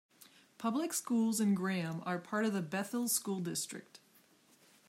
Public schools in Graham are part of the Bethel School District.